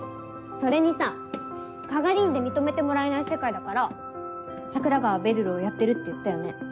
それにさ加賀凛で認めてもらえない世界だから桜川べるるをやってるって言ったよね？